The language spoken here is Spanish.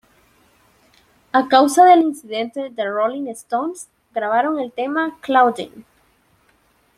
A causa del incidente The Rolling Stones grabaron el tema "Claudine".